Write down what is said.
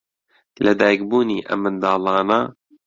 لەدایکبوونی ئەم منداڵانە